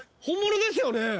本物ですよね？